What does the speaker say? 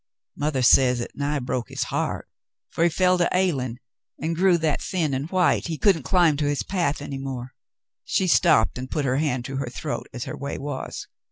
Mother says it nigh broke his heart, for he fell to ailing and grew that thin and white he couldn't climb to his path any more." She stopped and put her hand to her throat, as her way was.